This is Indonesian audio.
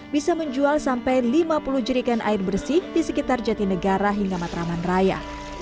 bisa menjual sampai lima puluh jerikan air bersih di sekitar jatinegara hingga matraman raya